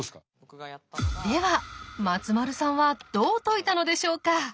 では松丸さんはどう解いたのでしょうか？